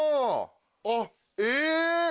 あっえぇ？